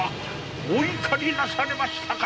お怒りなされましたか。